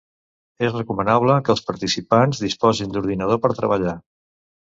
És recomanable que els participants disposin d'ordinador per treballar.